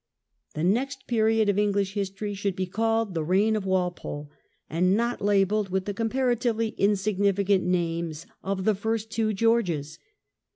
The next period of English history should be called the reign of Walpole, and not labelled with the comparatively insignificant names of the first two Georges.